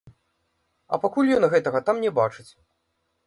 А пакуль ён гэтага там не бачыць.